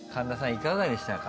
いかがでしたか？